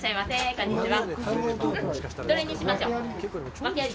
こんにちは。